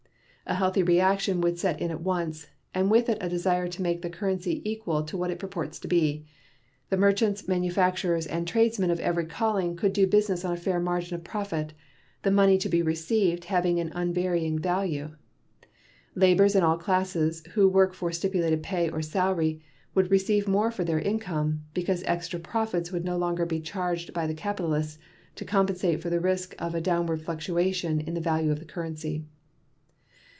A healthy reaction would set in at once, and with it a desire to make the currency equal to what it purports to be. The merchants, manufacturers, and tradesmen of every calling could do business on a fair margin of profit, the money to be received having an unvarying value. Laborers and all classes who work for stipulated pay or salary would receive more for their income, because extra profits would no longer be charged by the capitalists to compensate for the risk of a downward fluctuation in the value of the currency.